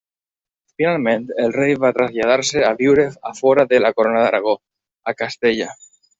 Finalment, el rei va traslladar-se a viure a fora de la Corona d'Aragó, a Castella.